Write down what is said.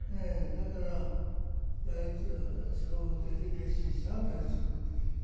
だから第一小法廷で結審したら第一小法廷で。